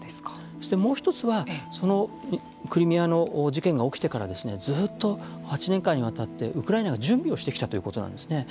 そして、もう一つはそのクリミアの事件が起きてからずっと８年間にわたってウクライナが準備をしてきたということなんですね。